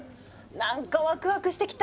なんかワクワクしてきた。